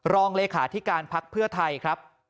รองเลขาธิการพักเพื่อไทยครับ